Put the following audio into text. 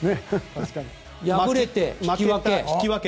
敗れて、引き分け。